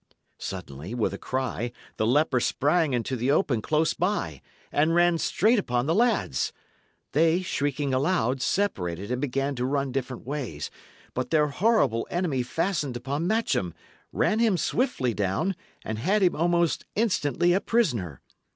Suddenly, with a cry, the leper sprang into the open close by, and ran straight upon the lads. They, shrieking aloud, separated and began to run different ways. But their horrible enemy fastened upon Matcham, ran him swiftly down, and had him almost instantly a prisoner.